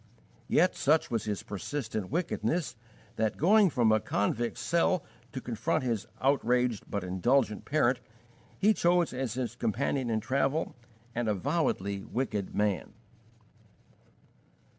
Yet such was his persistent wickedness that, going from a convict's cell to confront his outraged but indulgent parent, he chose as his companion in travel an avowedly wicked man.